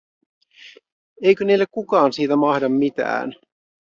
Eikö niille kukaan siitä mahda mitään?